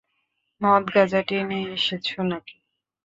মদ গাঁজা টেনে এসেছ নাকি?